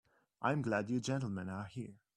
I'm glad you gentlemen are here.